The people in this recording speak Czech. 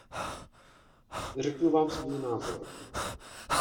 Řeknu vám svůj názor.